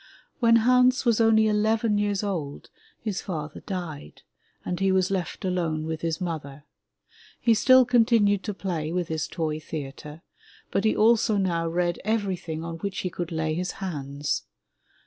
When Hans was only eleven years old his father died and he was left alone with his mother. He still continued to play with his toy theatre, but he also now read everything on which he could lay his hands.